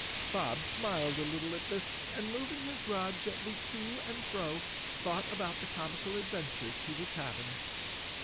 Bob smiled a little at this and, mov¬ ing his rod gently to and fro, thought about the comical adventures he was having.